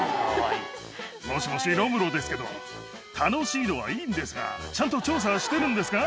もしもし、ロムロですけど、楽しいのはいいんですが、ちゃんと調査はしてるんですか？